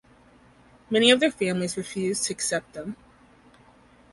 Many of their families refused to accept them.